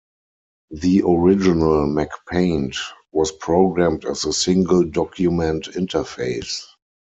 The original MacPaint was programmed as a single-document interface.